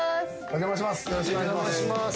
お邪魔します。